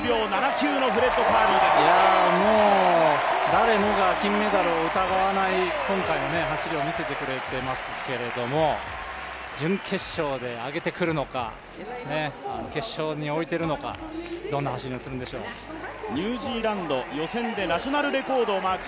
誰もが金メダルを疑わない今回の走りも見せてくれていますけど、準決勝で上げてくるのか、決勝に置いているのか、どんな走りをするんでしょう、フレッド・カーリー。